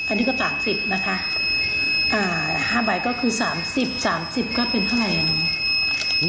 อันนี้ก็สามสิบนะคะอ่าห้าใบก็คือสามสิบสามสิบก็เป็นเท่าไรอ่ะ